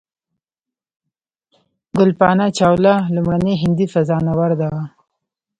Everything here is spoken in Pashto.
کلپنا چاوله لومړنۍ هندۍ فضانورده وه.